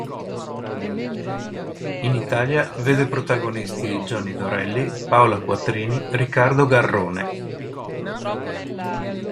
In Italia, vede protagonisti Johnny Dorelli, Paola Quattrini, Riccardo Garrone.